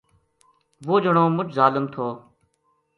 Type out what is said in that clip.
وہ جنو مچ ظالم تھو